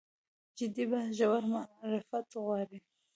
جدي بحث ژور معرفت غواړي.